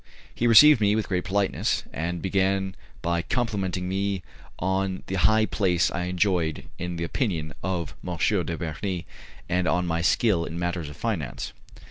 He received me with great politeness, and began by complimenting me on the high place I enjoyed in the opinion of M. de Bernis, and on my skill in matters of finance.